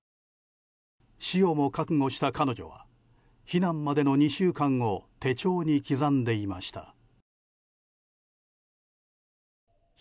死をも覚悟した彼女は避難までの２週間を手帳に刻んでいました。